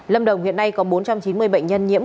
lâm đồng hiện nay có bốn trăm chín mươi bệnh nhân nhiễm